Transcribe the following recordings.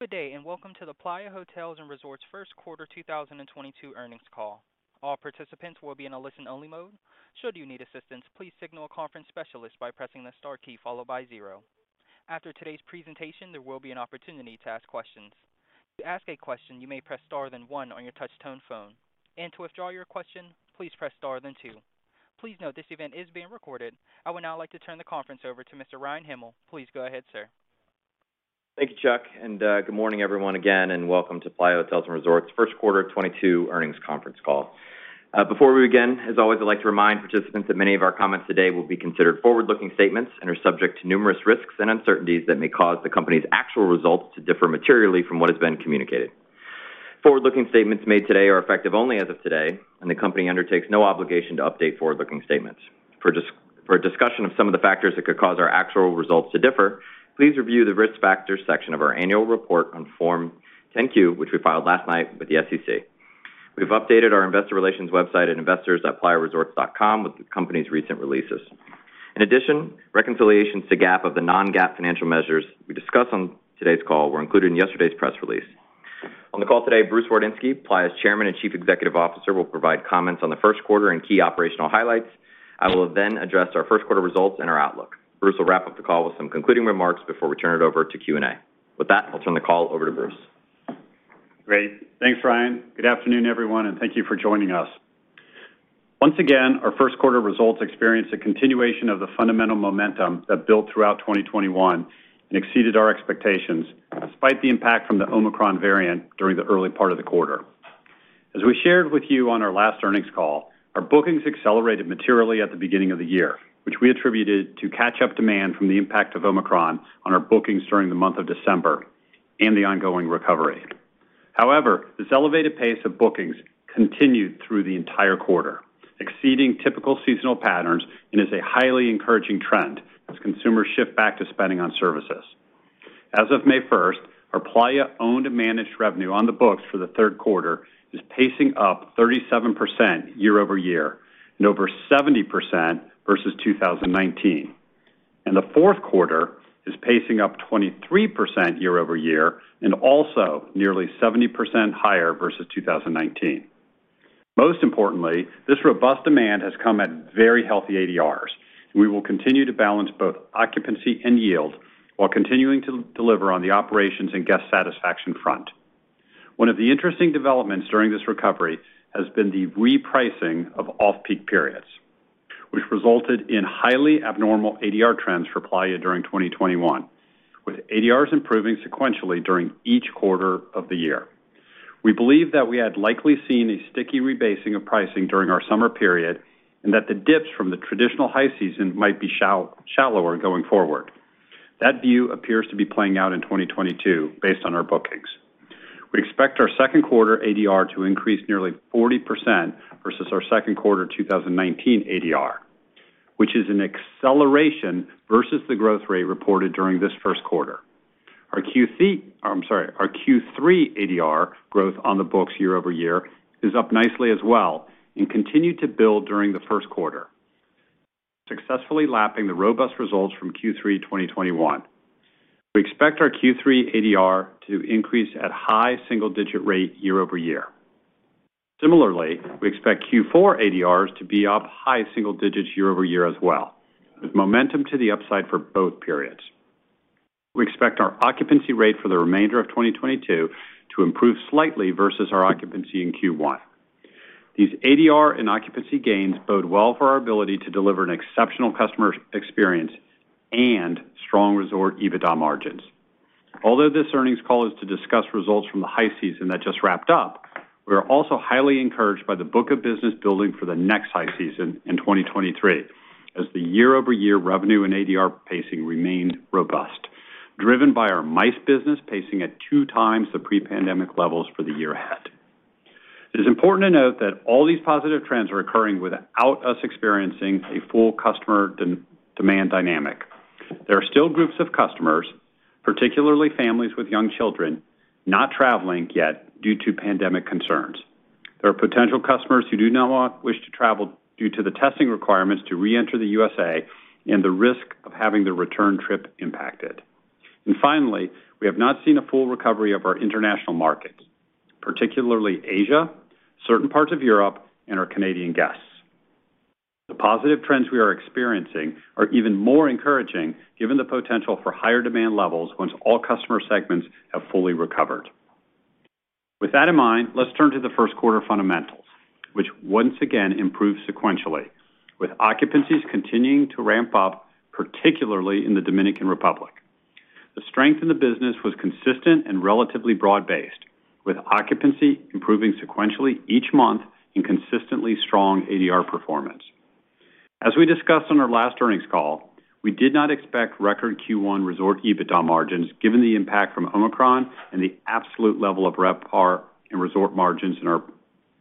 Good day, and welcome to the Playa Hotels & Resorts Q1 2022 earnings call. All participants will be in a listen only mode. Should you need assistance, please signal a conference specialist by pressing the star key followed by zero. After today's presentation, there will be an opportunity to ask questions. To ask a question, you may press star then one on your touchtone phone. To withdraw your question, please press star then two. Please note this event is being recorded. I would now like to turn the conference over to Mr. Ryan Hymel. Please go ahead, sir. Thank you, Chuck. And good morning, everyone again and welcome to Playa Hotels & Resorts Q1 2022 earnings conference call. Before we begin, as always, I'd like to remind participants that many of our comments today will be considered forward-looking statements and are subject to numerous risks and uncertainties that may cause the company's actual results to differ materially from what has been communicated. Forward-looking statements made today are effective only as of today, and the company undertakes no obligation to update forward-looking statements. For a discussion of some of the factors that could cause our actual results to differ, please review the Risk Factors section of our annual report on Form 10-Q, which we filed last night with the SEC. We've updated our investor relations website at investors.playaresorts.com with the company's recent releases. In addition, reconciliations to GAAP of the non-GAAP financial measures we discuss on today's call were included in yesterday's press release. On the call today, Bruce Wardinski, Playa's Chairman and Chief Executive Officer, will provide comments on the Q1 and key operational highlights. I will then address our Q1 results and our outlook. Bruce will wrap up the call with some concluding remarks before we turn it over to Q&A. With that, I'll turn the call over to Bruce. Great. Thanks, Ryan. Good afternoon, everyone, and thank you for joining us. Once again, our Q1 results experienced a continuation of the fundamental momentum that built throughout 2021 and exceeded our expectations despite the impact from the Omicron variant during the early part of the quarter. As we shared with you on our last earnings call, our bookings accelerated materially at the beginning of the year, which we attributed to catch-up demand from the impact of Omicron on our bookings during the month of December and the ongoing recovery. However, this elevated pace of bookings continued through the entire quarter, exceeding typical seasonal patterns, and is a highly encouraging trend as consumers shift back to spending on services. As of May first, our Playa owned and managed revenue on the books for the third quarter is pacing up 37% year-over-year and over 70% versus 2019. The Q4 is pacing up 23% year-over-year and also nearly 70% higher versus 2019. Most importantly, this robust demand has come at very healthy ADRs, and we will continue to balance both occupancy and yield while continuing to deliver on the operations and guest satisfaction front. One of the interesting developments during this recovery has been the repricing of off-peak periods, which resulted in highly abnormal ADR trends for Playa during 2021, with ADRs improving sequentially during each quarter of the year. We believe that we had likely seen a sticky rebasing of pricing during our summer period, and that the dips from the traditional high season might be shallower going forward. That view appears to be playing out in 2022 based on our bookings. We expect our Q2 ADR to increase nearly 40% versus our second quarter 2019 ADR, which is an acceleration versus the growth rate reported during this Q1. Our Q3 ADR growth on the books year-over-year is up nicely as well and continued to build during the Q1, successfully lapping the robust results from Q3 2021. We expect our Q3 ADR to increase at high single digit rate year-over-year. Similarly, we expect Q4 ADRs to be up high single digits year-over-year as well, with momentum to the upside for both periods. We expect our occupancy rate for the remainder of 2022 to improve slightly versus our occupancy in Q1. These ADR and occupancy gains bode well for our ability to deliver an exceptional customer experience and strong resort EBITDA margins. Although this earnings call is to discuss results from the high season that just wrapped up, we are also highly encouraged by the book of business building for the next high season in 2023 as the year-over-year revenue and ADR pacing remained robust, driven by our MICE business pacing at 2x the pre-pandemic levels for the year ahead. It is important to note that all these positive trends are occurring without us experiencing a full customer demand dynamic. There are still groups of customers, particularly families with young children, not traveling yet due to pandemic concerns. There are potential customers who wish to travel due to the testing requirements to reenter the USA and the risk of having their return trip impacted. Finally, we have not seen a full recovery of our international markets, particularly Asia, certain parts of Europe, and our Canadian guests. The positive trends we are experiencing are even more encouraging given the potential for higher demand levels once all customer segments have fully recovered. With that in mind, let's turn to the first quarter fundamentals, which once again improved sequentially, with occupancies continuing to ramp up, particularly in the Dominican Republic. The strength in the business was consistent and relatively broad-based, with occupancy improving sequentially each month and consistently strong ADR performance. As we discussed on our last earnings call, we did not expect record Q1 resort EBITDA margins given the impact from Omicron and the absolute level of RevPAR and resort margins in our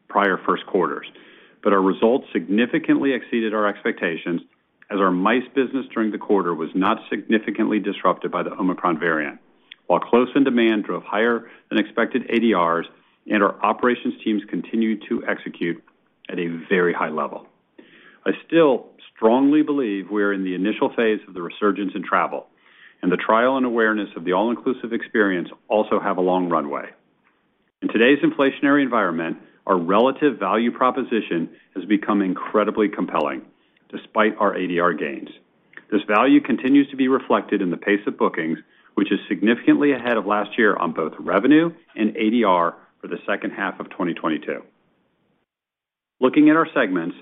prior first quarters. Our results significantly exceeded our expectations as our MICE business during the quarter was not significantly disrupted by the Omicron variant, while close in demand drove higher than expected ADRs and our operations teams continued to execute at a very high level. I still strongly believe we are in the initial phase of the resurgence in travel, and the trial and awareness of the all-inclusive experience also have a long runway. In today's inflationary environment, our relative value proposition has become incredibly compelling despite our ADR gains. This value continues to be reflected in the pace of bookings, which is significantly ahead of last year on both revenue and ADR for the second half of 2022. Looking at our segments,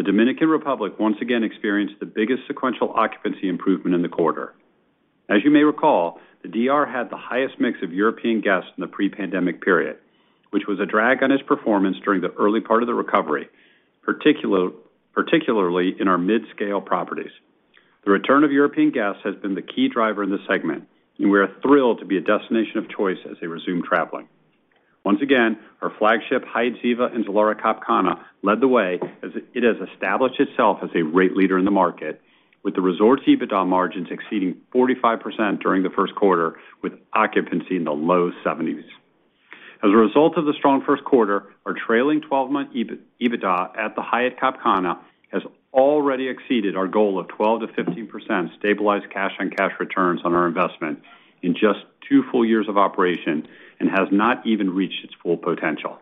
the Dominican Republic once again experienced the biggest sequential occupancy improvement in the quarter. As you may recall, the DR had the highest mix of European guests in the pre-pandemic period, which was a drag on its performance during the early part of the recovery, particularly in our mid-scale properties. The return of European guests has been the key driver in the segment, and we are thrilled to be a destination of choice as they resume traveling. Once again, our flagship Hyatt Ziva and Zilara Cap Cana led the way as it has established itself as a rate leader in the market, with the resort's EBITDA margins exceeding 45% during the first quarter with occupancy in the low 70s. As a result of the strong first quarter, our trailing 12-month EBITDA at the Hyatt Cap Cana has already exceeded our goal of 12%-15% stabilized cash on cash returns on our investment in just 2 full years of operation and has not even reached its full potential.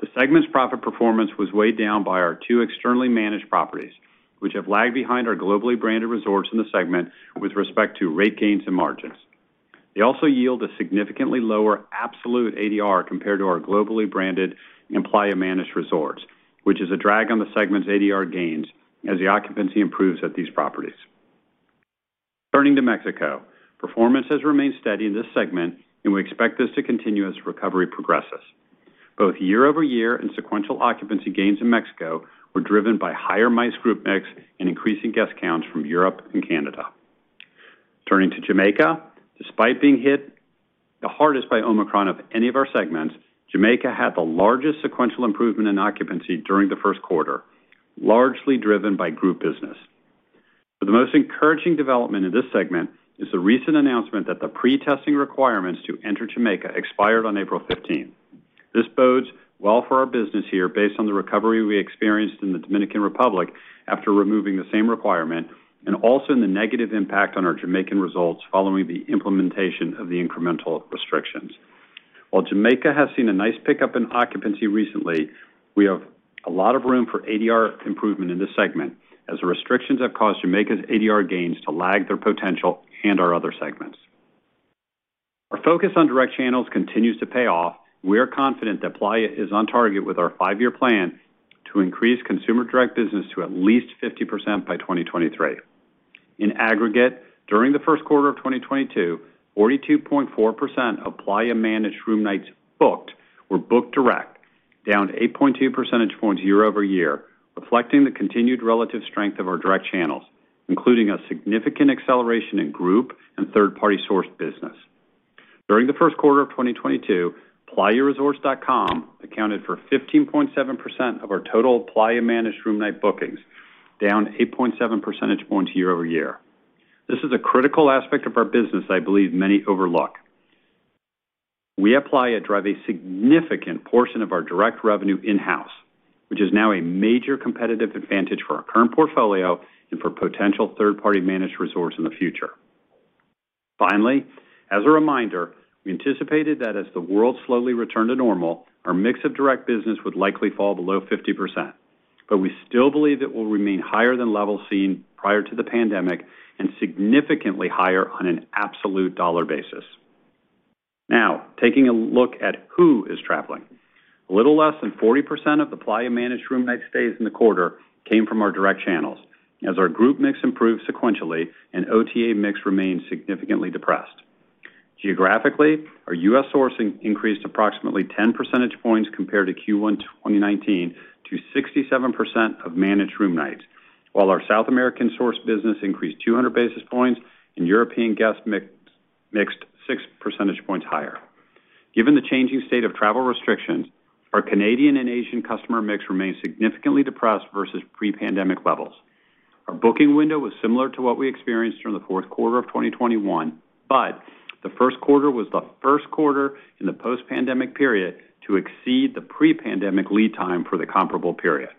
The segment's profit performance was weighed down by our two externally managed properties, which have lagged behind our globally branded resorts in the segment with respect to rate gains and margins. They also yield a significantly lower absolute ADR compared to our globally branded and Playa managed resorts, which is a drag on the segment's ADR gains as the occupancy improves at these properties. Turning to Mexico, performance has remained steady in this segment, and we expect this to continue as recovery progresses. Both year-over-year and sequential occupancy gains in Mexico were driven by higher MICE group mix and increasing guest counts from Europe and Canada. Turning to Jamaica, despite being hit the hardest by Omicron of any of our segments, Jamaica had the largest sequential improvement in occupancy during the first quarter, largely driven by group business. The most encouraging development in this segment is the recent announcement that the pre-testing requirements to enter Jamaica expired on April fifteenth. This bodes well for our business here based on the recovery we experienced in the Dominican Republic after removing the same requirement and also in the negative impact on our Jamaican results following the implementation of the incremental restrictions. While Jamaica has seen a nice pickup in occupancy recently, we have a lot of room for ADR improvement in this segment, as the restrictions have caused Jamaica's ADR gains to lag their potential and our other segments. Our focus on direct channels continues to pay off. We are confident that Playa is on target with our five-year plan to increase consumer direct business to at least 50% by 2023. In aggregate, during the first quarter of 2022, 42.4% of Playa managed room nights booked were booked direct, down 8.2 percentage points year-over-year, reflecting the continued relative strength of our direct channels, including a significant acceleration in group and third-party sourced business. During the first quarter of 2022, playaresorts.com accounted for 15.7% of our total Playa managed room night bookings, down 8.7 percentage points year-over-year. This is a critical aspect of our business I believe many overlook. We at Playa drive a significant portion of our direct revenue in-house, which is now a major competitive advantage for our current portfolio and for potential third-party managed resorts in the future. Finally, as a reminder, we anticipated that as the world slowly returned to normal, our mix of direct business would likely fall below 50%. We still believe it will remain higher than levels seen prior to the pandemic and significantly higher on an absolute dollar basis. Now, taking a look at who is traveling. A little less than 40% of the Playa managed room night stays in the quarter came from our direct channels as our group mix improved sequentially and OTA mix remained significantly depressed. Geographically, our U.S. sourcing increased approximately 10 percentage points compared to Q1 2019 to 67% of managed room nights, while our South American sourced business increased 200 basis points and European guest mix increased 6 percentage points higher. Given the changing state of travel restrictions, our Canadian and Asian customer mix remained significantly depressed versus pre-pandemic levels. Our booking window was similar to what we experienced during the fourth quarter of 2021, but the first quarter was the first quarter in the post-pandemic period to exceed the pre-pandemic lead time for the comparable period.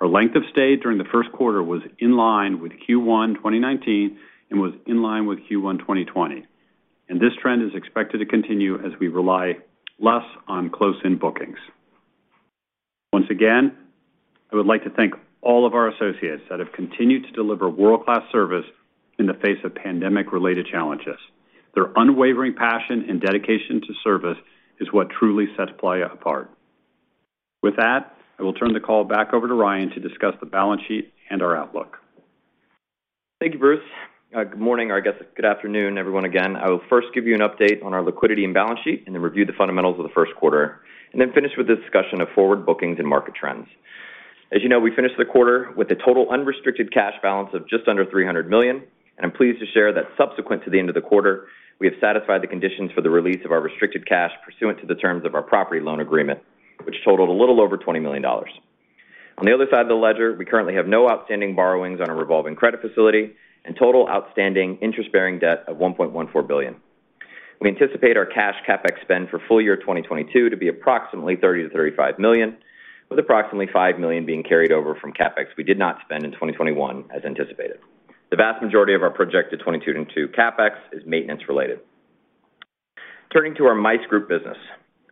Our length of stay during the first quarter was in line with Q1 2019 and was in line with Q1 2020. This trend is expected to continue as we rely less on close-end bookings. Once again, I would like to thank all of our associates that have continued to deliver world-class service in the face of pandemic-related challenges. Their unwavering passion and dedication to service is what truly sets Playa apart. With that, I will turn the call back over to Ryan to discuss the balance sheet and our outlook. Thank you, Bruce. Good morning, I guess, good afternoon, everyone, again. I will first give you an update on our liquidity and balance sheet and then review the fundamentals of the first quarter and then finish with a discussion of forward bookings and market trends. As you know, we finished the quarter with a total unrestricted cash balance of just under $300 million, and I'm pleased to share that subsequent to the end of the quarter, we have satisfied the conditions for the release of our restricted cash pursuant to the terms of our property loan agreement, which totaled a little over $20 million. On the other side of the ledger, we currently have no outstanding borrowings on a revolving credit facility and total outstanding interest-bearing debt of $1.14 billion. We anticipate our cash CapEx spend for full year 2022 to be approximately $30 million-$35 million, with approximately $5 million being carried over from CapEx we did not spend in 2021 as anticipated. The vast majority of our projected 2022 CapEx is maintenance related. Turning to our MICE group business.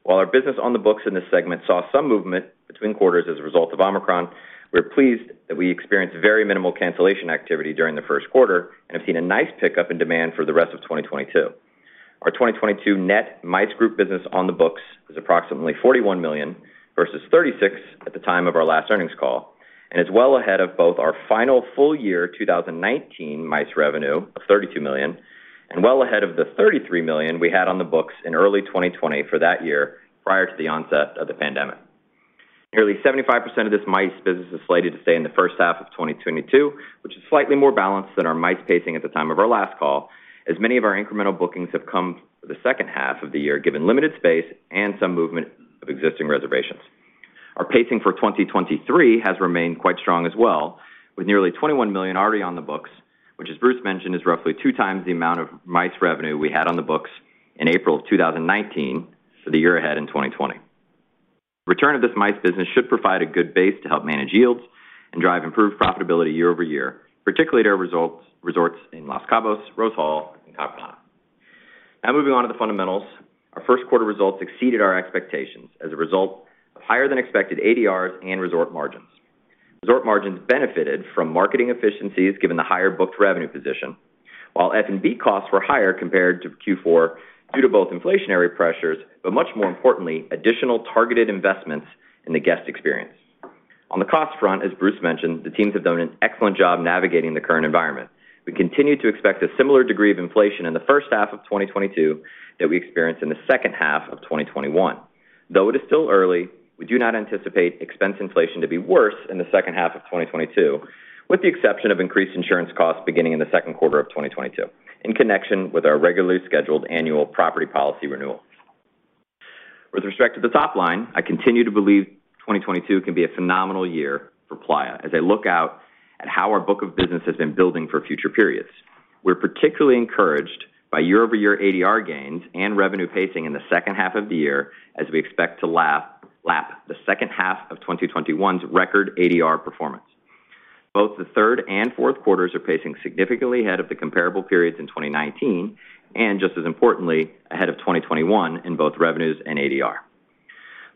While our business on the books in this segment saw some movement between quarters as a result of Omicron, we're pleased that we experienced very minimal cancellation activity during the first quarter and have seen a nice pickup in demand for the rest of 2022. Our 2022 net MICE group business on the books is approximately $41 million versus $36 million at the time of our last earnings call, and is well ahead of both our final full year 2019 MICE revenue of $32 million, and well ahead of the $33 million we had on the books in early 2020 for that year prior to the onset of the pandemic. Nearly 75% of this MICE business is slated to stay in the first half of 2022, which is slightly more balanced than our MICE pacing at the time of our last call, as many of our incremental bookings have come for the second half of the year, given limited space and some movement of existing reservations. Our pacing for 2023 has remained quite strong as well, with nearly $21 million already on the books, which, as Bruce mentioned, is roughly 2 times the amount of MICE revenue we had on the books in April of 2019 for the year ahead in 2020. Return of this MICE business should provide a good base to help manage yields and drive improved profitability year-over-year, particularly at our resorts in Los Cabos, Rose Hall, and Acapulco. Now moving on to the fundamentals. Our first quarter results exceeded our expectations as a result of higher than expected ADRs and resort margins. Resort margins benefited from marketing efficiencies given the higher booked revenue position, while F&B costs were higher compared to Q4 due to both inflationary pressures, but much more importantly, additional targeted investments in the guest experience. On the cost front, as Bruce mentioned, the teams have done an excellent job navigating the current environment. We continue to expect a similar degree of inflation in the first half of 2022 that we experienced in the second half of 2021. Though it is still early, we do not anticipate expense inflation to be worse in the second half of 2022, with the exception of increased insurance costs beginning in the second quarter of 2022 in connection with our regularly scheduled annual property policy renewal. With respect to the top line, I continue to believe 2022 can be a phenomenal year for Playa as I look out at how our book of business has been building for future periods. We're particularly encouraged by year-over-year ADR gains and revenue pacing in the second half of the year, as we expect to lap the second half of 2021's record ADR performance. Both the third and fourth quarters are pacing significantly ahead of the comparable periods in 2019, and just as importantly, ahead of 2021 in both revenues and ADR.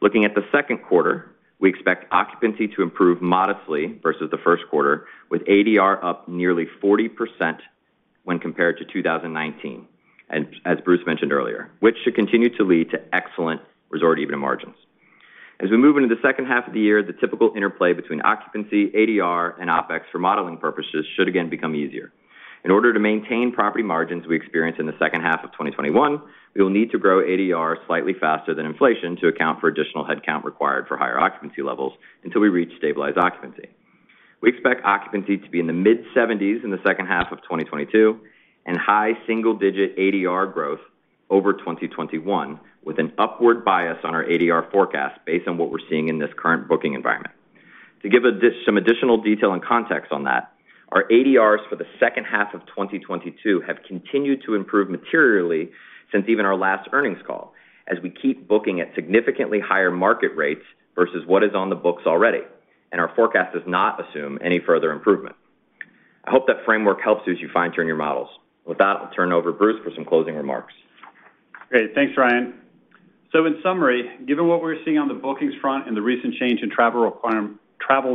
Looking at the second quarter, we expect occupancy to improve modestly versus the first quarter, with ADR up nearly 40% when compared to 2019, as Bruce mentioned earlier, which should continue to lead to excellent resort EBITDA margins. As we move into the second half of the year, the typical interplay between occupancy, ADR, and OpEx for modeling purposes should again become easier. In order to maintain property margins we experienced in the second half of 2021, we will need to grow ADR slightly faster than inflation to account for additional headcount required for higher occupancy levels until we reach stabilized occupancy. We expect occupancy to be in the mid-70s% in the second half of 2022 and high single-digit% ADR growth over 2021, with an upward bias on our ADR forecast based on what we're seeing in this current booking environment. To give some additional detail and context on that, our ADRs for the second half of 2022 have continued to improve materially since even our last earnings call, as we keep booking at significantly higher market rates versus what is on the books already, and our forecast does not assume any further improvement. I hope that framework helps as you fine-tune your models. With that, I'll turn it over to Bruce for some closing remarks. Great. Thanks, Ryan. In summary, given what we're seeing on the bookings front and the recent change in travel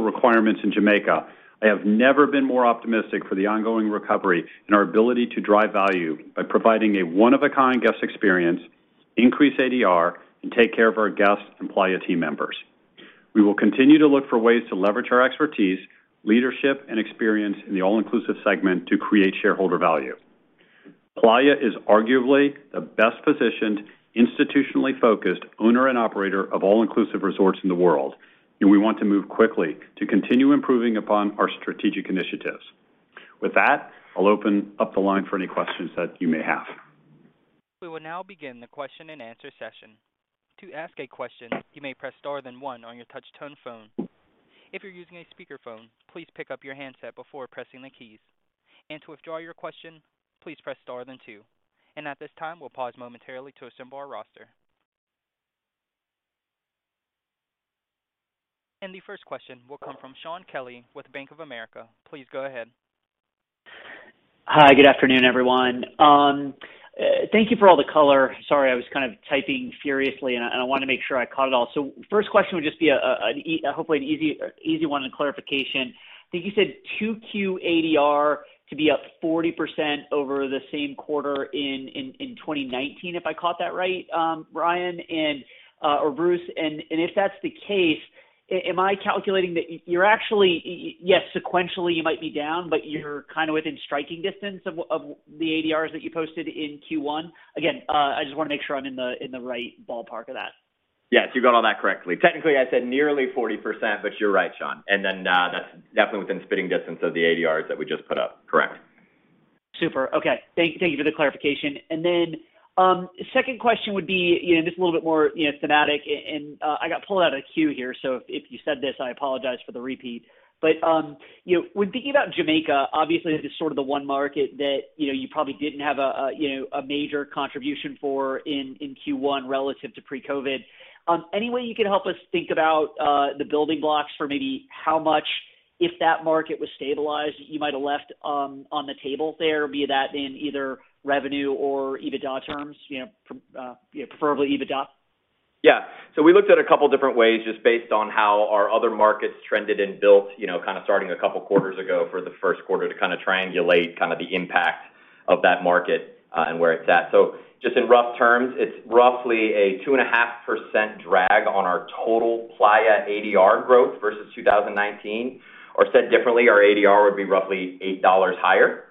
requirements in Jamaica, I have never been more optimistic for the ongoing recovery and our ability to drive value by providing a one of a kind guest experience, increase ADR, and take care of our guests and Playa team members. We will continue to look for ways to leverage our expertise, leadership, and experience in the all-inclusive segment to create shareholder value. Playa is arguably the best positioned, institutionally focused owner and operator of all-inclusive resorts in the world, and we want to move quickly to continue improving upon our strategic initiatives. With that, I'll open up the line for any questions that you may have. We will now begin the question and answer session. To ask a question, you may press star then one on your touch-tone phone. If you're using a speakerphone, please pick up your handset before pressing the keys. To withdraw your question, please press star then two. At this time, we'll pause momentarily to assemble our roster. The first question will come from Shaun Kelley with Bank of America. Please go ahead. Hi. Good afternoon, everyone. Thank you for all the color. Sorry, I was kind of typing furiously and I wanna make sure I caught it all. First question would just be hopefully an easy one and clarification. I think you said 2Q ADR to be up 40% over the same quarter in 2019, if I caught that right, Ryan or Bruce. If that's the case, am I calculating that you're actually yes sequentially you might be down, but you're kind of within striking distance of the ADRs that you posted in Q1? Again, I just wanna make sure I'm in the right ballpark of that. Yes, you got all that correctly. Technically, I said nearly 40%, but you're right, Shaun. That's definitely within spitting distance of the ADRs that we just put up. Correct. Super. Okay. Thank you for the clarification. Second question would be, you know, just a little bit more, you know, thematic and I got pulled out of queue here, so if you said this, I apologize for the repeat. When thinking about Jamaica, obviously, this is sort of the one market that, you know, you probably didn't have a major contribution for in Q1 relative to pre-COVID. Any way you could help us think about the building blocks for maybe how much, if that market was stabilized, you might have left on the table there, be that in either revenue or EBITDA terms, you know, preferably EBITDA? Yeah. We looked at a couple different ways just based on how our other markets trended and built, you know, kind of starting a couple quarters ago for the first quarter to kind of triangulate kind of the impact of that market, and where it's at. Just in rough terms, it's roughly a 2.5% drag on our total Playa ADR growth versus 2019. Said differently, our ADR would be roughly $8 higher.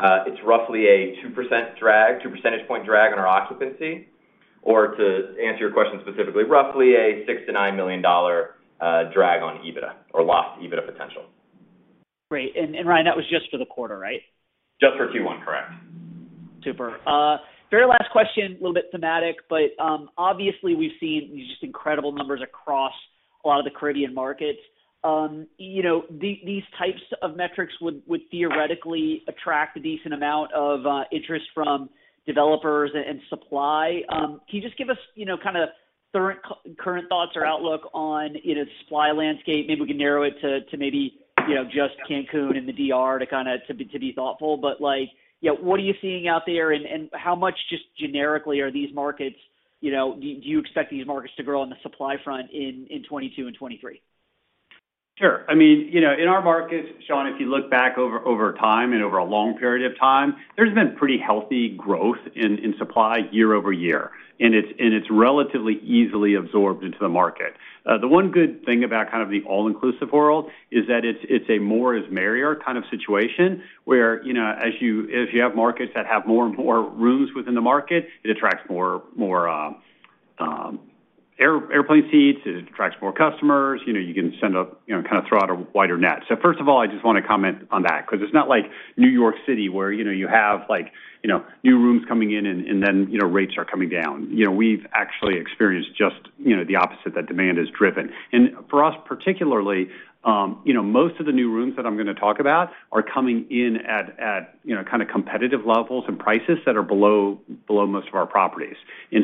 It's roughly a 2% drag, two percentage point drag on our occupancy. To answer your question specifically, roughly a $6 million-$9 million drag on EBITDA or lost EBITDA potential. Great. Ryan, that was just for the quarter, right? Just for Q1, correct. Super. Very last question, a little bit thematic, but obviously, we've seen just incredible numbers across a lot of the Caribbean markets. You know, these types of metrics would theoretically attract a decent amount of interest from developers and supply. Can you just give us, you know, kind of the current thoughts or outlook on, you know, supply landscape? Maybe we can narrow it to maybe, you know, just Cancún and the DR to kind of be thoughtful. Like, you know, what are you seeing out there, and how much just generically are these markets, you know, do you expect these markets to grow on the supply front in 2022 and 2023? Sure. I mean, you know, in our markets, Sean, if you look back over time and over a long period of time, there's been pretty healthy growth in supply year over year, and it's relatively easily absorbed into the market. The one good thing about kind of the all-inclusive world is that it's the more the merrier kind of situation, where, you know, if you have markets that have more and more rooms within the market, it attracts more airplane seats, it attracts more customers. You know, you can kinda throw out a wider net. First of all, I just wanna comment on that because it's not like New York City where, you know, you have like, you know, new rooms coming in and then, you know, rates are coming down. You know, we've actually experienced just, you know, the opposite, that demand is driven. For us, particularly, you know, most of the new rooms that I'm gonna talk about are coming in at, you know, kind of competitive levels and prices that are below most of our properties. You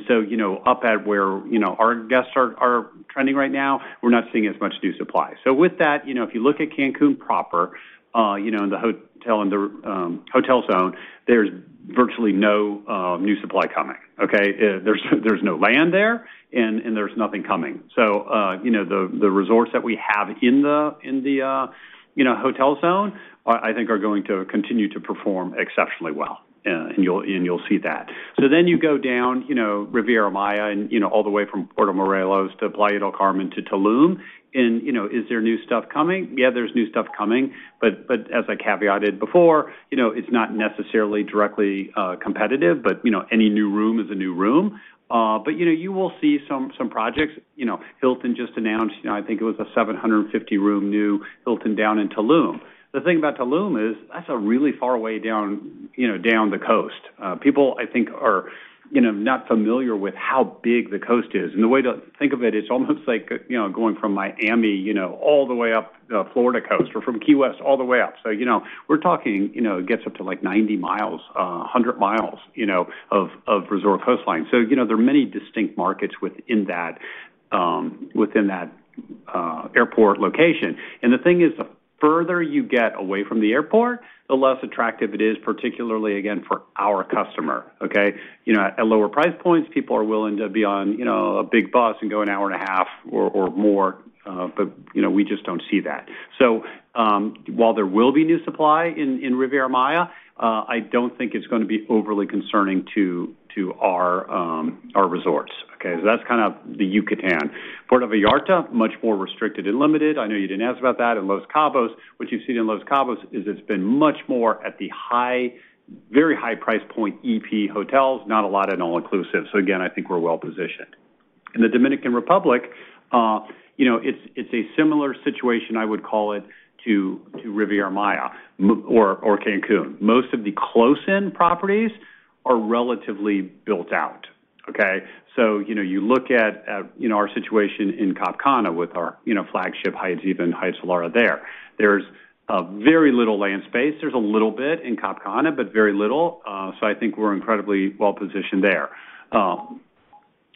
know, if you look at Cancún proper, you know, in the hotel zone, there's virtually no new supply coming, okay? There's no land there, and there's nothing coming. You know, the resorts that we have in the hotel zone are. I think going to continue to perform exceptionally well. You'll see that. You go down, you know, Riviera Maya and, you know, all the way from Puerto Morelos to Playa del Carmen to Tulum and, you know, is there new stuff coming? Yeah, there's new stuff coming. As I caveated before, you know, it's not necessarily directly competitive, but, you know, any new room is a new room. You will see some projects. Hilton just announced, you know, I think it was a 750-room new Hilton down in Tulum. The thing about Tulum is that's a really far way down, you know, down the coast. People, I think, are, you know, not familiar with how big the coast is. The way to think of it's almost like, you know, going from Miami, you know, all the way up the Florida coast or from Key West all the way up. So, you know, we're talking, you know, it gets up to like 90 miles, 100 miles, you know, of resort coastline. So, you know, there are many distinct markets within that, within that airport location. The thing is, the further you get away from the airport, the less attractive it is, particularly again, for our customer, okay? You know, at lower price points, people are willing to be on, you know, a big bus and go an hour and a half or more, but, you know, we just don't see that. While there will be new supply in Riviera Maya, I don't think it's gonna be overly concerning to our resorts, okay? That's kind of the Yucatan. Puerto Vallarta, much more restricted and limited. I know you didn't ask about that. In Los Cabos, what you've seen in Los Cabos is it's been much more at the high, very high price point EP hotels, not a lot in all-inclusive. Again, I think we're well-positioned. In the Dominican Republic, you know, it's a similar situation, I would call it, to Riviera Maya or Cancun. Most of the close-in properties are relatively built out, okay? You know, you look at our situation in Cap Cana with our flagship Hyatt Ziva and Hyatt Zilara there. There's very little land space. There's a little bit in Cap Cana, but very little, so I think we're incredibly well-positioned there.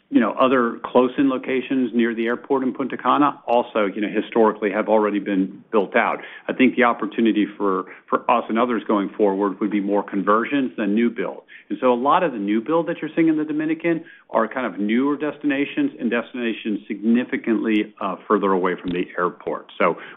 You know, other close-in locations near the airport in Punta Cana also, you know, historically have already been built out. I think the opportunity for us and others going forward would be more conversions than new build. A lot of the new build that you're seeing in the Dominican are kind of newer destinations and destinations significantly further away from the airport.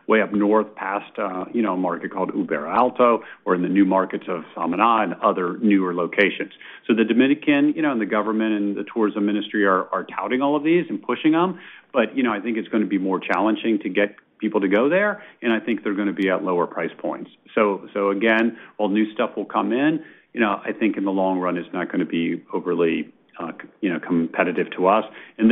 Way up north past you know, a market called Uvero Alto or in the new markets of Samaná and other newer locations. The Dominican, you know, and the government and the tourism ministry are touting all of these and pushing them. You know, I think it's gonna be more challenging to get people to go there, and I think they're gonna be at lower price points. So again, while new stuff will come in, you know, I think in the long run, it's not gonna be overly, you know, competitive to us. You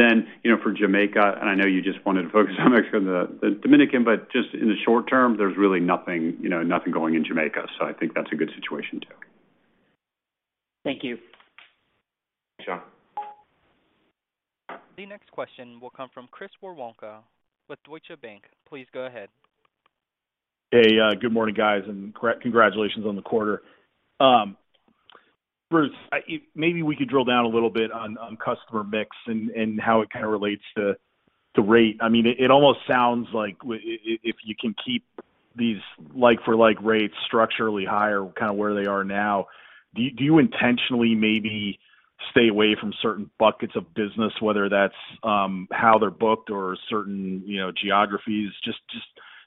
know, for Jamaica, and I know you just wanted to focus on actually the Dominican, but just in the short term, there's really nothing, you know, nothing going in Jamaica. I think that's a good situation too. Thank you. The next question will come from Chris Woronka with Deutsche Bank. Please go ahead. Hey, good morning, guys, and congratulations on the quarter. Bruce, maybe we could drill down a little bit on customer mix and how it kind of relates to rate. I mean, it almost sounds like if you can keep these like-for-like rates structurally higher kind of where they are now, do you intentionally maybe stay away from certain buckets of business, whether that's how they're booked or certain, you know, geographies? Just,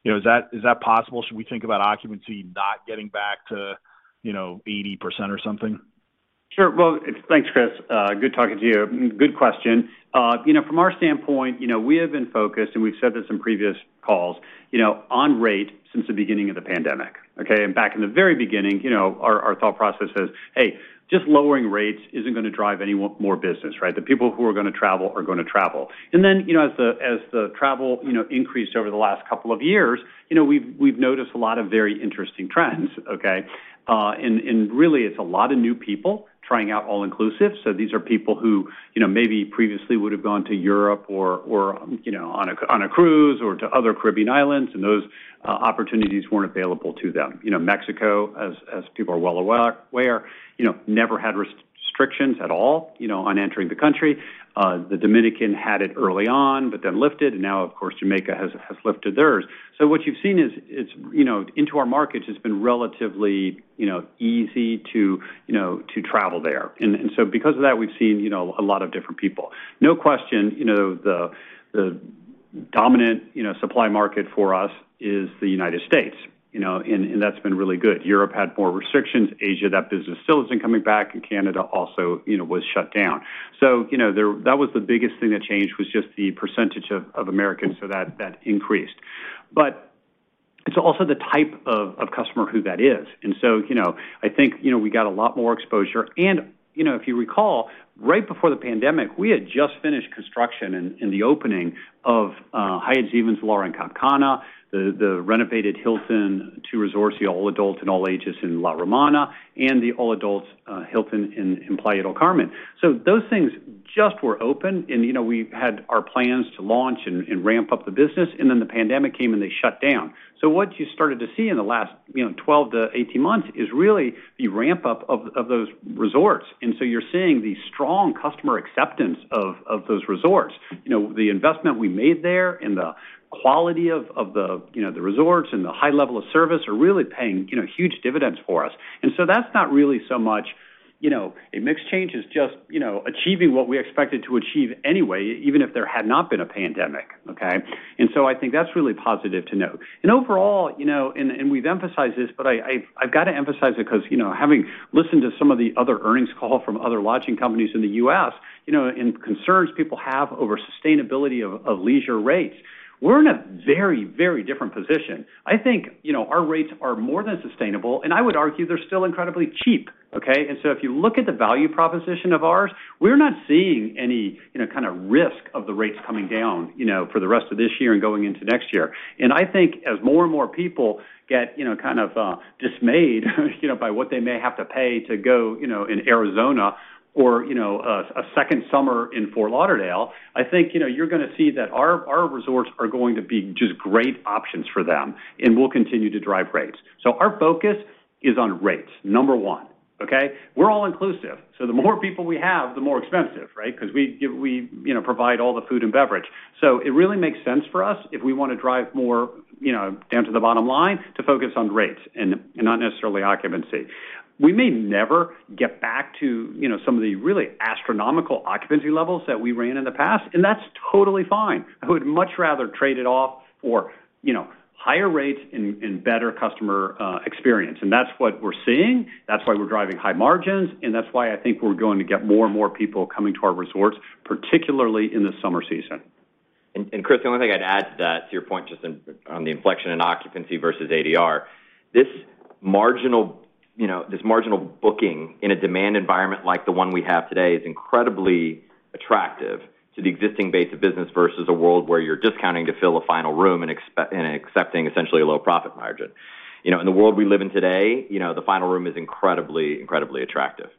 you know, is that possible? Should we think about occupancy not getting back to, you know, 80% or something? Sure. Well, thanks, Chris. Good talking to you. Good question. You know, from our standpoint, you know, we have been focused, and we've said this in previous calls, you know, on rate since the beginning of the pandemic, okay? Back in the very beginning, you know, our thought process was, "Hey, just lowering rates isn't going to drive any more business," right? The people who are going to travel are going to travel. Then, you know, as the travel, you know, increased over the last couple of years, you know, we've noticed a lot of very interesting trends, okay? Really, it's a lot of new people trying out all inclusive. These are people who, you know, maybe previously would have gone to Europe or, you know, on a cruise or to other Caribbean islands, and those opportunities weren't available to them. You know, Mexico, as people are well aware, you know, never had restrictions at all, you know, on entering the country. The Dominican had it early on, but then lifted, and now, of course, Jamaica has lifted theirs. What you've seen is, you know, into our markets, it's been relatively, you know, easy to, you know, to travel there. Because of that, we've seen, you know, a lot of different people. No question, you know, the dominant, you know, supply market for us is the United States, you know, and that's been really good. Europe had more restrictions. Asia, that business still isn't coming back, and Canada also, you know, was shut down. That was the biggest thing that changed was just the percentage of Americans. That increased. It's also the type of customer who that is. You know, I think, you know, we got a lot more exposure. You know, if you recall, right before the pandemic, we had just finished construction and the opening of Hyatt Ziva and Zilara Cap Cana, the renovated Hilton La Romana resorts, the all-adult and all-ages in La Romana, and the all-adults Hilton in Playa del Carmen. Those things just were open. You know, we had our plans to launch and ramp up the business, and then the pandemic came, and they shut down. What you started to see in the last, you know, 12-18 months is really the ramp-up of those resorts. You're seeing the strong customer acceptance of those resorts. You know, the investment we made there and the quality of the, you know, the resorts and the high level of service are really paying, you know, huge dividends for us. That's not really so much, you know, a mix change is just, you know, achieving what we expected to achieve anyway, even if there had not been a pandemic, okay? I think that's really positive to note. Overall, you know, we've emphasized this, but I've got to emphasize it because, you know, having listened to some of the other earnings call from other lodging companies in the U.S., you know, and concerns people have over sustainability of leisure rates, we're in a very, very different position. I think, you know, our rates are more than sustainable, and I would argue they're still incredibly cheap, okay. If you look at the value proposition of ours, we're not seeing any, you know, kind of risk of the rates coming down, you know, for the rest of this year and going into next year. I think as more and more people get, you know, kind of, dismayed, you know, by what they may have to pay to go, you know, in Arizona or, you know, a second summer in Fort Lauderdale, I think, you know, you're gonna see that our resorts are going to be just great options for them and will continue to drive rates. Our focus is on rates, number one, okay? We're all inclusive, so the more people we have, the more expensive, right? Because we, you know, provide all the food and beverage. It really makes sense for us if we wanna drive more, you know, down to the bottom line to focus on rates and not necessarily occupancy. We may never get back to, you know, some of the really astronomical occupancy levels that we ran in the past, and that's totally fine. I would much rather trade it off for, you know, higher rates and better customer experience. That's what we're seeing. That's why we're driving high margins, and that's why I think we're going to get more and more people coming to our resorts, particularly in the summer season. Chris, the only thing I'd add to that, to your point just on the inflection in occupancy versus ADR, this marginal, you know, this marginal booking in a demand environment like the one we have today is incredibly attractive to the existing base of business versus a world where you're discounting to fill a final room and accepting essentially a low profit margin. You know, in the world we live in today, you know, the final room is incredibly attractive.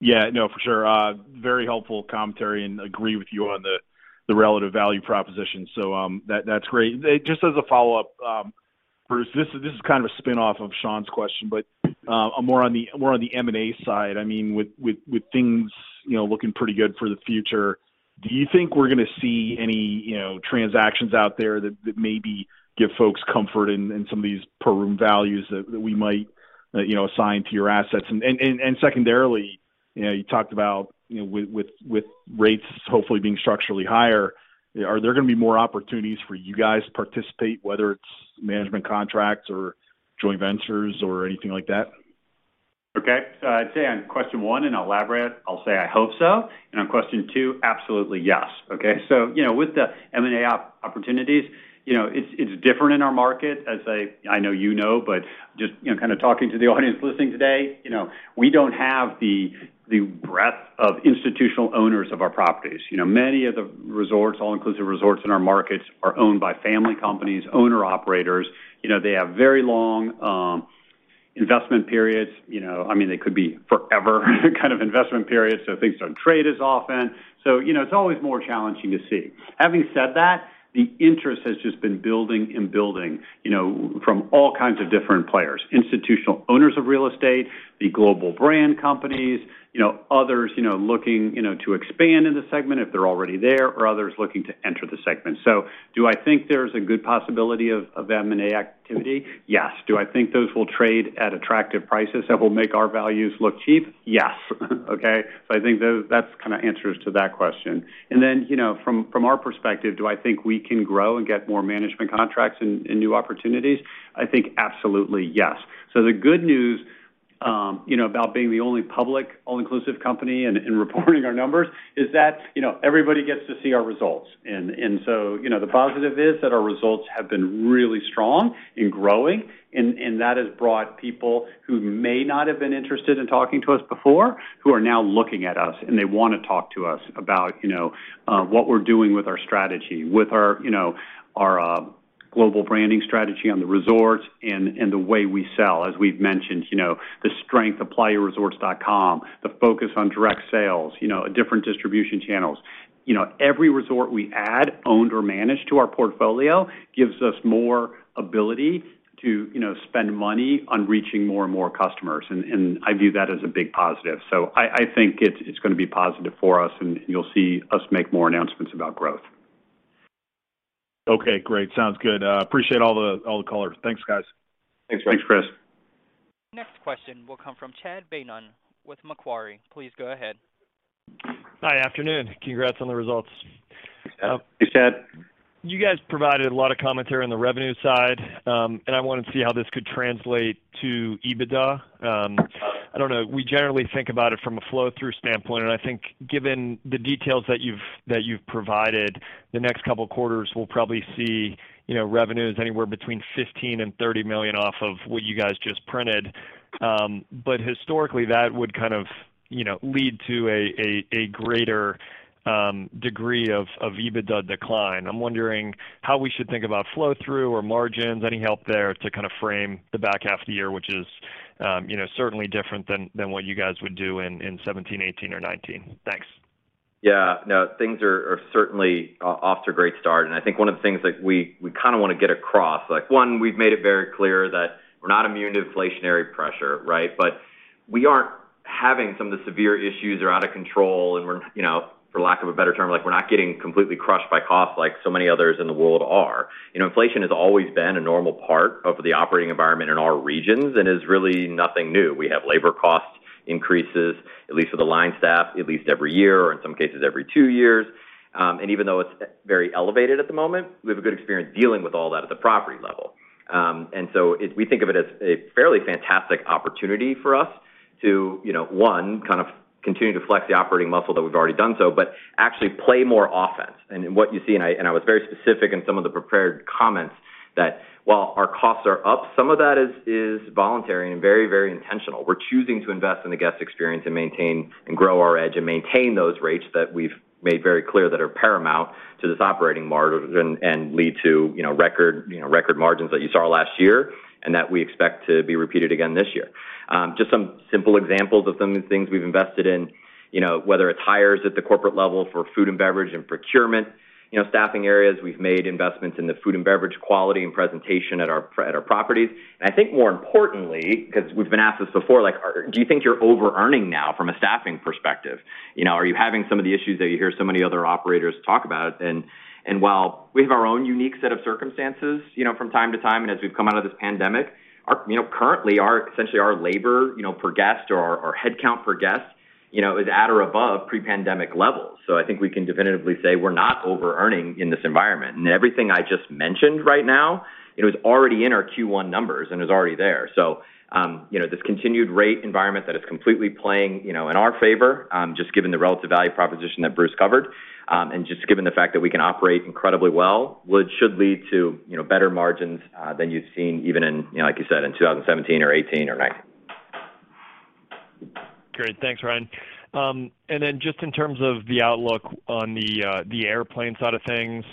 Yeah, no, for sure. Very helpful commentary and agree with you on the relative value proposition. That's great. Just as a follow-up, Bruce, this is kind of a spin-off of Shaun's question, but more on the M&A side. I mean, with things, you know, looking pretty good for the future, do you think we're gonna see any, you know, transactions out there that maybe give folks comfort in some of these per room values that we might, you know, assign to your assets? And secondarily, you know, you talked about, you know, with rates hopefully being structurally higher, are there gonna be more opportunities for you guys to participate, whether it's management contracts or joint ventures or anything like that? Okay. I'd say on question one, and I'll elaborate, I'll say I hope so. On question two, absolutely yes, okay? You know, with the M&A opportunities, you know, it's different in our market. As I know you know, but just, you know, kind of talking to the audience listening today, you know, we don't have the breadth of institutional owners of our properties. You know, many of the resorts, all-inclusive resorts in our markets are owned by family companies, owner-operators. You know, they have very long investment periods, you know, I mean, they could be forever kind of investment periods, so things don't trade as often. You know, it's always more challenging to see. Having said that, the interest has just been building and building, you know, from all kinds of different players. Institutional owners of real estate, the global brand companies, you know, others, you know, looking, you know, to expand in the segment if they're already there, or others looking to enter the segment. Do I think there's a good possibility of M&A activity? Yes. Do I think those will trade at attractive prices that will make our values look cheap? Yes. Okay. I think that's kind of answers to that question. Then, you know, from our perspective, do I think we can grow and get more management contracts and new opportunities? I think absolutely, yes. The good news, you know, about being the only public all-inclusive company and reporting our numbers is that, you know, everybody gets to see our results. You know, the positive is that our results have been really strong in growing, and that has brought people who may not have been interested in talking to us before, who are now looking at us, and they wanna talk to us about, you know, what we're doing with our strategy, with our, you know, our global branding strategy on the resorts and the way we sell. As we've mentioned, you know, the strength of playaresorts.com, the focus on direct sales, you know, different distribution channels. You know, every resort we add, owned or managed to our portfolio, gives us more ability to, you know, spend money on reaching more and more customers, and I view that as a big positive. I think it's gonna be positive for us, and you'll see us make more announcements about growth. Okay, great. Sounds good. Appreciate all the callers. Thanks, guys. Thanks. Thanks, Chris. Next question will come from Chad Beynon with Macquarie. Please go ahead. Hi. Afternoon. Congrats on the results. Yeah. Thanks, Chad. You guys provided a lot of commentary on the revenue side, and I wanted to see how this could translate to EBITDA. I don't know, we generally think about it from a flow through standpoint, and I think given the details that you've provided, the next couple quarters we'll probably see, you know, revenues anywhere between $15 million-$30 million off of what you guys just printed. Historically, that would kind of, you know, lead to a greater degree of EBITDA decline. I'm wondering how we should think about flow through or margins. Any help there to kind of frame the back half of the year, which is, you know, certainly different than what you guys would do in 2017, 2018 or 2019. Thanks. Yeah. No, things are certainly off to a great start. I think one of the things that we kinda wanna get across, like, one, we've made it very clear that we're not immune to inflationary pressure, right? We aren't having some of the severe issues are out of control and we're, you know, for lack of a better term, like we're not getting completely crushed by costs like so many others in the world are. You know, inflation has always been a normal part of the operating environment in our regions and is really nothing new. We have labor cost increases, at least for the line staff, at least every year or in some cases every two years. Even though it's very elevated at the moment, we have a good experience dealing with all that at the property level. We think of it as a fairly fantastic opportunity for us to, you know, one, kind of continue to flex the operating muscle that we've already done so, but actually play more offense. What you see, and I was very specific in some of the prepared comments, that while our costs are up, some of that is voluntary and very, very intentional. We're choosing to invest in the guest experience and maintain and grow our edge and maintain those rates that we've made very clear that are paramount to this operating margin and lead to, you know, record margins that you saw last year and that we expect to be repeated again this year. Just some simple examples of some of the things we've invested in, you know, whether it's hires at the corporate level for food and beverage and procurement, you know, staffing areas. We've made investments in the food and beverage quality and presentation at our properties. I think more importantly, because we've been asked this before, like, do you think you're overearning now from a staffing perspective? You know, are you having some of the issues that you hear so many other operators talk about? While we have our own unique set of circumstances, you know, from time to time, and as we've come out of this pandemic, you know, currently, essentially our labor, you know, per guest or our headcount per guest, you know, is at or above pre-pandemic levels. I think we can definitively say we're not overearning in this environment. Everything I just mentioned right now, it was already in our Q1 numbers and is already there. This continued rate environment that is completely playing, you know, in our favor, just given the relative value proposition that Bruce covered, and just given the fact that we can operate incredibly well, which should lead to, you know, better margins than you've seen even in, you know, like you said, in 2017 or 2018 or 2019. Great. Thanks, Ryan. Just in terms of the outlook on the airplane side of things,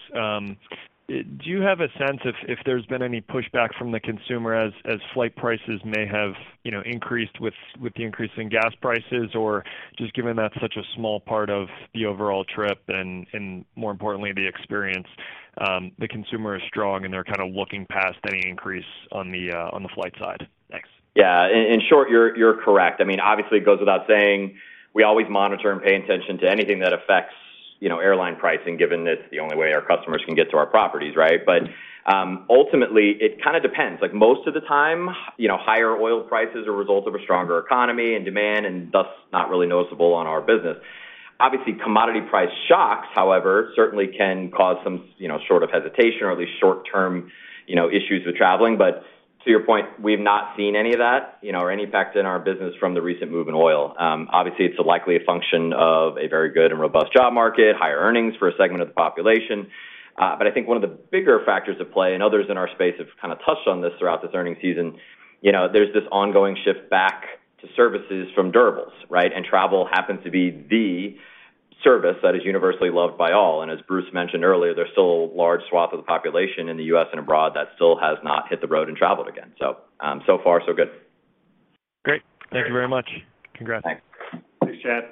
do you have a sense if there's been any pushback from the consumer as flight prices may have, you know, increased with the increase in gas prices, or just given that's such a small part of the overall trip and more importantly, the experience, the consumer is strong and they're kind of looking past any increase on the flight side. Thanks. Yeah. In short, you're correct. I mean, obviously, it goes without saying, we always monitor and pay attention to anything that affects, you know, airline pricing, given it's the only way our customers can get to our properties, right? Ultimately, it kind of depends. Like most of the time, you know, higher oil prices are a result of a stronger economy and demand and thus not really noticeable on our business. Obviously, commodity price shocks, however, certainly can cause some, you know, sort of hesitation or at least short-term, you know, issues with traveling. To your point, we've not seen any of that, you know, or any impact in our business from the recent move in oil. Obviously, it's likely a function of a very good and robust job market, higher earnings for a segment of the population. I think one of the bigger factors at play, and others in our space have kind of touched on this throughout this earnings season, you know, there's this ongoing shift back to services from durables, right? Travel happens to be the Service that is universally loved by all. As Bruce mentioned earlier, there's still a large swath of the population in the U.S. and abroad that still has not hit the road and traveled again. So far so good. Great. Thank you very much. Congrats. Thanks. Thanks, Chad.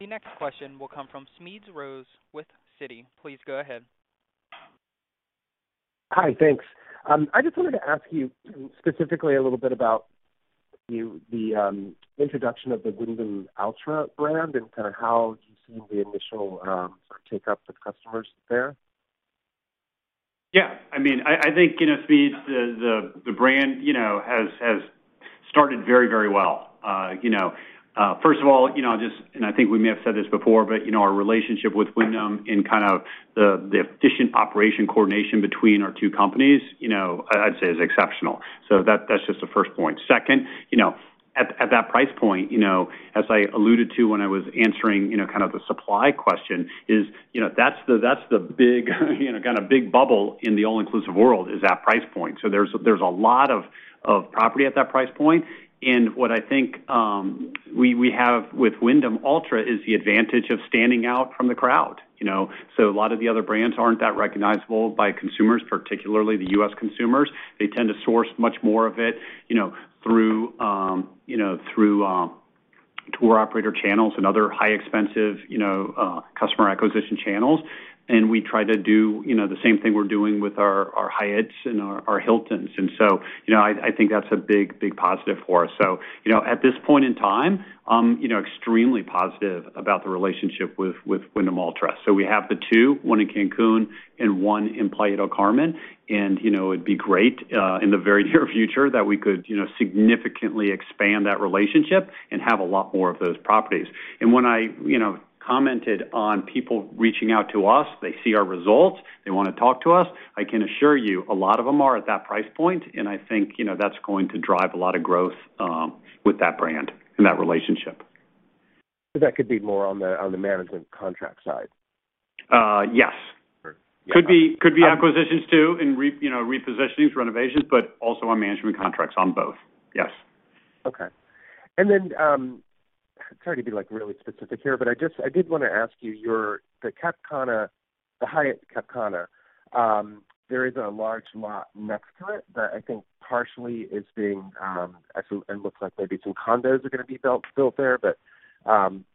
The next question will come from Smedes Rose with Citi. Please go ahead. Hi. Thanks. I just wanted to ask you specifically a little bit about the introduction of the Wyndham Alltra brand and kinda how you've seen the initial sort of uptake with customers there. Yeah, I mean, I think, you know, Smedes, the brand, you know, has started very, very well. You know, first of all, you know, just, and I think we may have said this before, but, you know, our relationship with Wyndham in kind of the efficient operation coordination between our two companies, you know, I'd say is exceptional. So that's just the first point. Second, you know, at that price point, you know, as I alluded to when I was answering, you know, kind of the supply question is, you know, that's the big, you know, kind of big bubble in the all-inclusive world is that price point. So there's a lot of property at that price point. What I think we have with Wyndham Alltra is the advantage of standing out from the crowd, you know. A lot of the other brands aren't that recognizable by consumers, particularly the U.S. consumers. They tend to source much more of it, you know, through tour operator channels and other highly expensive, you know, customer acquisition channels. We try to do, you know, the same thing we're doing with our Hyatts and our Hiltons. I think that's a big positive for us. At this point in time, I'm, you know, extremely positive about the relationship with Wyndham Alltra. We have the two, one in Cancún and one in Playa del Carmen. You know, it'd be great in the very near future that we could, you know, significantly expand that relationship and have a lot more of those properties. When I, you know, commented on people reaching out to us, they see our results, they wanna talk to us, I can assure you a lot of them are at that price point, and I think, you know, that's going to drive a lot of growth with that brand and that relationship. That could be more on the management contract side. Yes. Could be acquisitions too and, you know, repositioning, renovations, but also on management contracts on both. Yes. Okay. Sorry to be like really specific here, but I did wanna ask you, the Cap Cana, the Hyatt Cap Cana, there is a large lot next to it that I think partially is being, actually, and looks like maybe some condos are gonna be built there. But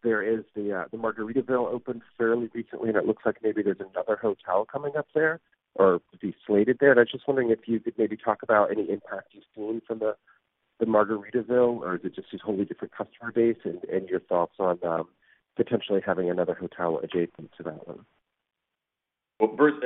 there is the Margaritaville opened fairly recently, and it looks like maybe there's another hotel coming up there or to be slated there. I was just wondering if you could maybe talk about any impact you've seen from the Margaritaville, or is it just this totally different customer base, and your thoughts on potentially having another hotel adjacent to that one? Well, Bruce,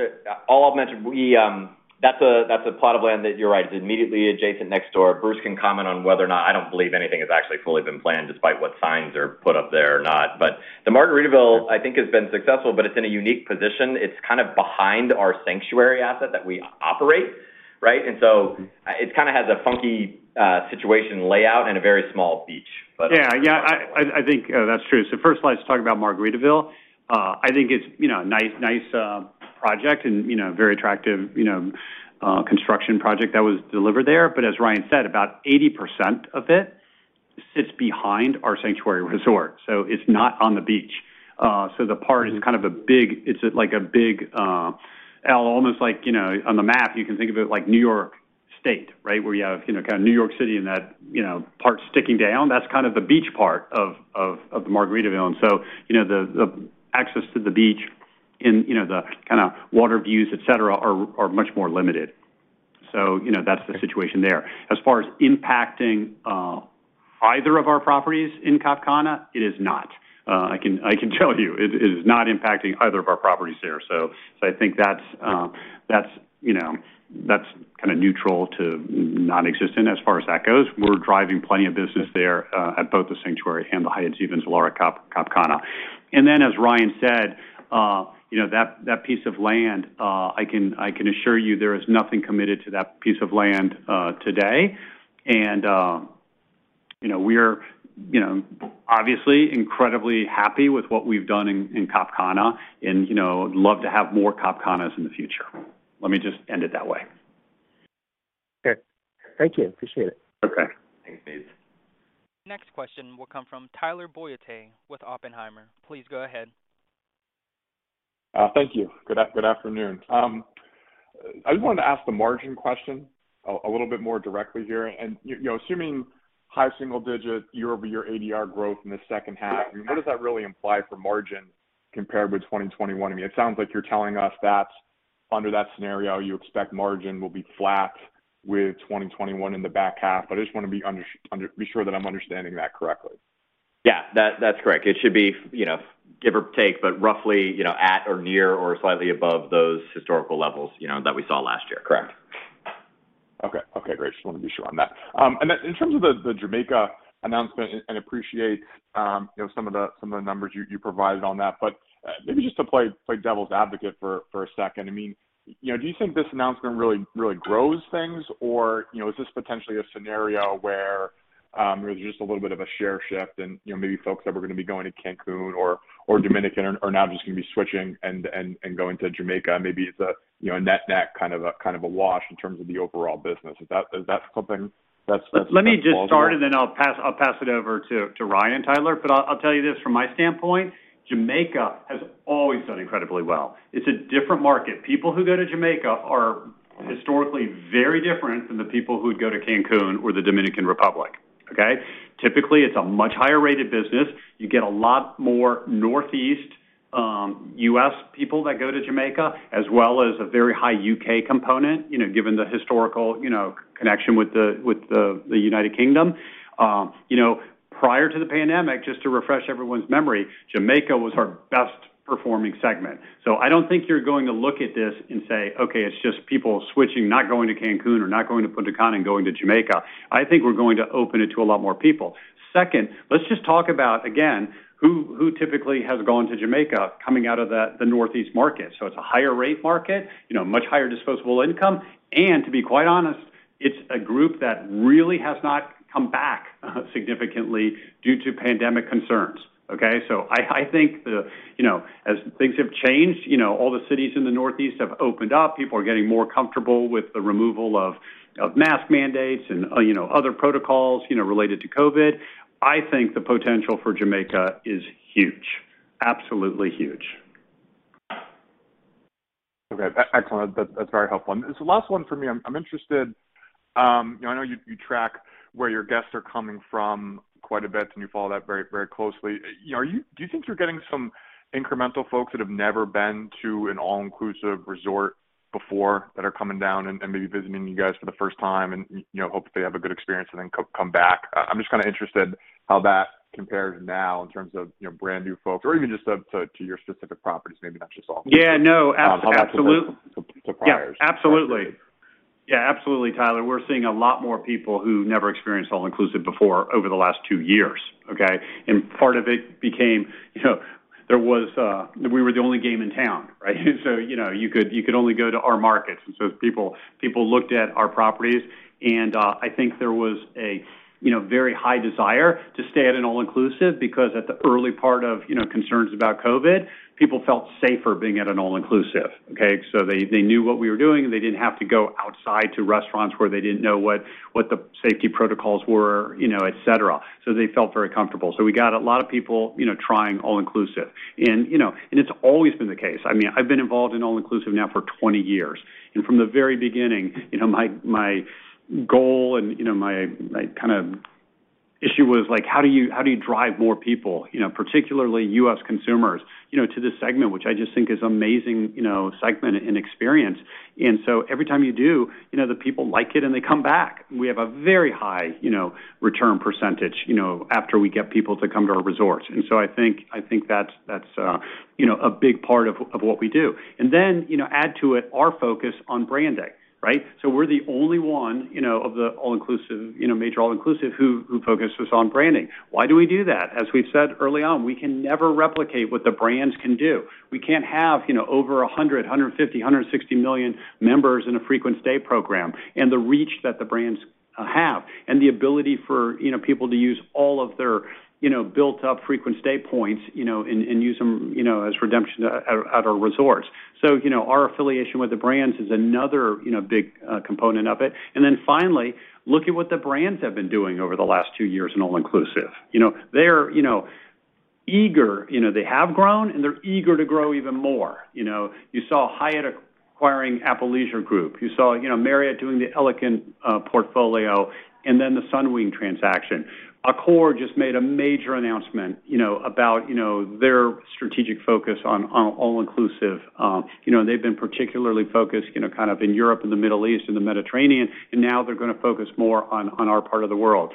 all I've mentioned, that's a plot of land that you're right is immediately adjacent next door. Bruce can comment on whether or not I don't believe anything has actually fully been planned despite what signs are put up there or not. The Margaritaville, I think, has been successful, but it's in a unique position. It's kind of behind our Sanctuary asset that we operate, right? It kinda has a funky situation layout and a very small beach. I think that's true. First of all, let's talk about Margaritaville. I think it's, you know, a nice project and, you know, very attractive, you know, construction project that was delivered there. As Ryan said, about 80% of it sits behind our Sanctuary Resort, so it's not on the beach. It's like a big L almost like, you know, on the map, you can think of it like New York State, right? Where you have, you know, kinda New York City and that, you know, part sticking down. That's kind of the beach part of the Margaritaville. You know, the access to the beach and, you know, the kinda water views, et cetera, are much more limited. You know, that's the situation there. As far as impacting either of our properties in Cap Cana, it is not. I can tell you it is not impacting either of our properties there. I think that's, you know, kinda neutral to non-existent as far as that goes. We're driving plenty of business there at both the Sanctuary and the Hyatt Ziva and Zilara Cap Cana. As Ryan said, you know, that piece of land, I can assure you there is nothing committed to that piece of land today. You know, we're obviously incredibly happy with what we've done in Cap Cana and, you know, love to have more Cap Canas in the future. Let me just end it that way. Okay. Thank you. Appreciate it. Okay. Thanks, Smedes. Next question will come from Tyler Batory with Oppenheimer. Please go ahead. Thank you. Good afternoon. I just wanted to ask the margin question a little bit more directly here. You know, assuming high single-digit year-over-year ADR growth in the second half, I mean, what does that really imply for margin compared with 2021? I mean, it sounds like you're telling us that under that scenario, you expect margin will be flat with 2021 in the back half. I just wanna be sure that I'm understanding that correctly. Yeah. That, that's correct. It should be, you know, give or take, but roughly, you know, at or near or slightly above those historical levels, you know, that we saw last year. Correct. Okay, great. Just wanted to be sure on that. Then in terms of the Jamaica announcement, and appreciate you know some of the numbers you provided on that. Maybe just to play devil's advocate for a second. I mean, you know, do you think this announcement really grows things? Or, you know, is this potentially a scenario where there's just a little bit of a share shift and, you know, maybe folks that were gonna be going to Cancún or Dominican are now just gonna be switching and going to Jamaica. Maybe it's a, you know, a net-net kind of a wash in terms of the overall business. Is that something that's Let me just start and then I'll pass it over to Ryan and Tyler. I'll tell you this from my standpoint, Jamaica has always done incredibly well. It's a different market. People who go to Jamaica are historically very different than the people who'd go to Cancún or the Dominican Republic, okay? Typically, it's a much higher rated business. You get a lot more Northeast U.S. people that go to Jamaica, as well as a very high U.K. component, you know, given the historical, you know, connection with the United Kingdom. You know, prior to the pandemic, just to refresh everyone's memory, Jamaica was our best performing segment. I don't think you're going to look at this and say, "Okay, it's just people switching, not going to Cancun or not going to Punta Cana and going to Jamaica." I think we're going to open it to a lot more people. Second, let's just talk about again, who typically has gone to Jamaica coming out of the Northeast market. It's a higher rate market, you know, much higher disposable income. And to be quite honest, it's a group that really has not come back significantly due to pandemic concerns, okay? I think. You know, as things have changed, you know, all the cities in the Northeast have opened up. People are getting more comfortable with the removal of mask mandates and, you know, other protocols, you know, related to COVID. I think the potential for Jamaica is huge. Absolutely huge. Okay. Excellent. That's very helpful. Last one for me. I'm interested, you know, I know you track where your guests are coming from quite a bit, and you follow that very, very closely. You know, do you think you're getting some incremental folks that have never been to an all-inclusive resort before that are coming down and maybe visiting you guys for the first time and, you know, hope they have a good experience and then come back? I'm just kinda interested how that compares now in terms of, you know, brand new folks or even just to your specific properties, maybe not just all. Yeah, no. How that compares to priors. Yeah, absolutely, Tyler. We're seeing a lot more people who never experienced all-inclusive before over the last two years, okay? Part of it became, you know, we were the only game in town, right? You know, you could only go to our markets. People looked at our properties and, I think there was a, you know, very high desire to stay at an all-inclusive because at the early part of, you know, concerns about COVID, people felt safer being at an all-inclusive, okay? They knew what we were doing, and they didn't have to go outside to restaurants where they didn't know what the safety protocols were, you know, et cetera. They felt very comfortable. We got a lot of people, you know, trying all-inclusive. You know, it's always been the case. I mean, I've been involved in all-inclusive now for 20 years. From the very beginning, you know, my goal and, you know, my kinda issue was like, how do you drive more people, you know, particularly US consumers, you know, to this segment, which I just think is amazing segment and experience. Every time you do, you know, the people like it and they come back. We have a very high, you know, return percentage, you know, after we get people to come to our resorts. I think that's, you know, a big part of what we do. You know, add to it our focus on branding, right? We're the only one, you know, of the all-inclusive, you know, major all-inclusive who focuses on branding. Why do we do that? As we've said early on, we can never replicate what the brands can do. We can't have, you know, over 160 million members in a frequent stay program, and the reach that the brands have, and the ability for, you know, people to use all of their, you know, built up frequent stay points, you know, and use them, you know, as redemption at our resorts. You know, our affiliation with the brands is another, you know, big component of it. Then finally, look at what the brands have been doing over the last two years in all-inclusive. You know, they're, you know, eager. You know, they have grown, and they're eager to grow even more. You know, you saw Hyatt acquiring Apple Leisure Group. You saw, you know, Marriott doing the Elegant portfolio, and then the Sunwing transaction. Accor just made a major announcement, you know, about, you know, their strategic focus on all-inclusive. You know, they've been particularly focused, you know, kind of in Europe and the Middle East and the Mediterranean, and now they're gonna focus more on our part of the world.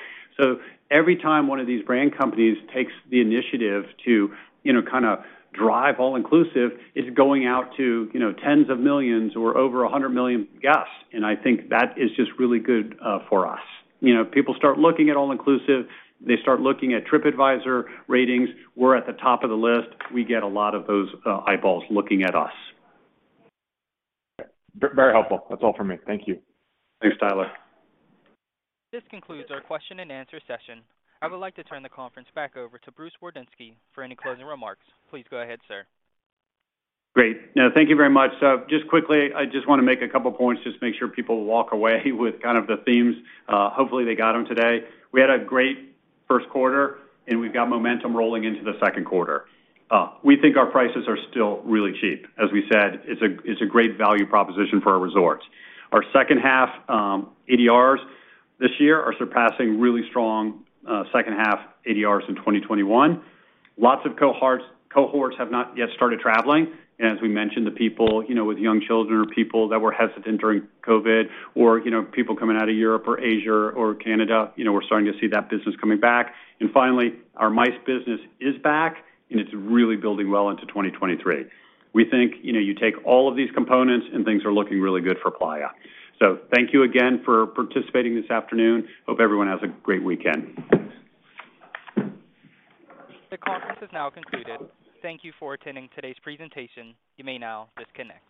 Every time one of these brand companies takes the initiative to, you know, kinda drive all-inclusive, it's going out to, you know, tens of millions or over a hundred million guests. I think that is just really good for us. You know, people start looking at all-inclusive, they start looking at TripAdvisor ratings. We're at the top of the list. We get a lot of those, eyeballs looking at us. Very helpful. That's all for me. Thank you. Thanks, Tyler. This concludes our question and answer session. I would like to turn the conference back over to Bruce Wardinski for any closing remarks. Please go ahead, sir. Great. No, thank you very much. Just quickly, I just wanna make a couple points just to make sure people walk away with kind of the themes. Hopefully, they got them today. We had a great first quarter, and we've got momentum rolling into the second quarter. We think our prices are still really cheap. As we said, it's a great value proposition for our resorts. Our second half ADRs this year are surpassing really strong second half ADRs in 2021. Lots of cohorts have not yet started traveling. As we mentioned, the people, you know, with young children or people that were hesitant during COVID or, you know, people coming out of Europe or Asia or Canada, you know, we're starting to see that business coming back. Finally, our MICE business is back, and it's really building well into 2023. We think, you know, you take all of these components and things are looking really good for Playa. Thank you again for participating this afternoon. Hope everyone has a great weekend. Thanks. The conference is now concluded. Thank you for attending today's presentation. You may now disconnect.